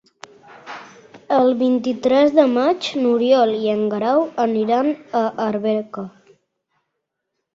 El vint-i-tres de maig n'Oriol i en Guerau aniran a Arbeca.